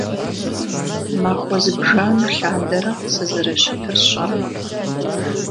Махуэ зыбжанэ лъандэрэ, сызэрыщытыр сщӀэркъым